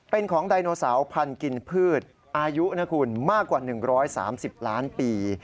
เป็นของไดโนเสาร์พันธุ์กินพืชอายุนะคุณมากกว่า๑๓๐ล้านปี